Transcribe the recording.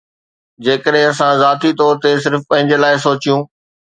جيڪڏهن اسان ذاتي طور تي صرف پنهنجي لاء سوچيو